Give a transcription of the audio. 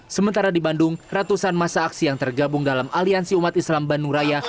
sementara di bandung ratusan masa aksi yang tergabung dalam aliansi umat islam bandung raya